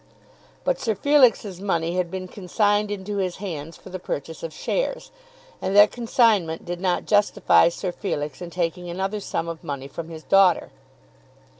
But Sir Felix's money had been consigned into his hands for the purchase of shares, and that consignment did not justify Sir Felix in taking another sum of money from his daughter.